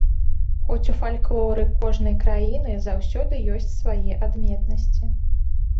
Хоць у фальклоры кожнай краіны заўсёды ёсць свае адметнасці.